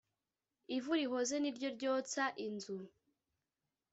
Ivu rihoze ni ryo ryotsa inzu.